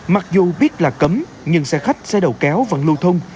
mặc dù biết là cấm nhưng xe khách xe đầu kéo vẫn lưu thông